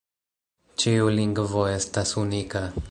Ĉiu lingvo estas unika.